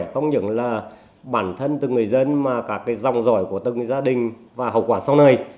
không những là bản thân từ người dân mà cả cái dòng dõi của từng gia đình và hậu quả sau này